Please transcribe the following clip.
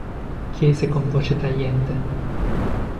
Chiese con voce tagliente.